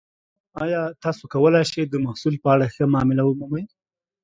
ایا تاسو کولی شئ د محصول په اړه ښه معامله ومومئ؟